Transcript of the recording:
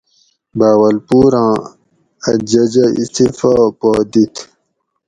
بھاولپوراں اۤ ججہ استعفٰی پا دیت